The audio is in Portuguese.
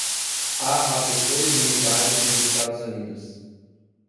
há assessores militares dos Estados Unidos